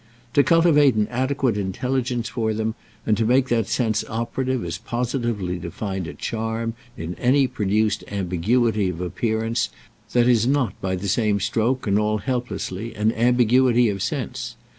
To cultivate an adequate intelligence for them and to make that sense operative is positively to find a charm in any produced ambiguity of appearance that is not by the same stroke, and all helplessly, an ambiguity of sense.